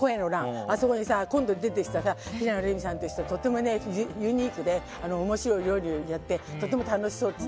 あそこに今度出てきた平野レミさんという人はとってもユニークで面白い料理をやってとっても楽しそうって。